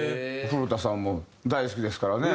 古田さんも大好きですからね。